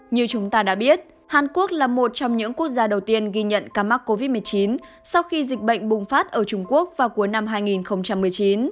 như chúng ta đã biết hàn quốc là một trong những quốc gia đầu tiên ghi nhận ca mắc covid một mươi chín sau khi dịch bệnh bùng phát ở trung quốc vào cuối năm hai nghìn một mươi chín